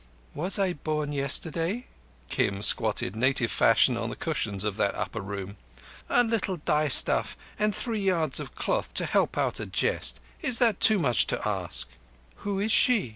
"Was I born yesterday?" Kim squatted native fashion on the cushions of that upper room. "A little dyestuff and three yards of cloth to help out a jest. Is it much to ask?" "Who is _she?